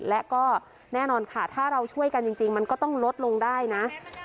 และก็แน่นอนค่ะถ้าเราช่วยกันจริงมันก็ต้องลดลงได้นะ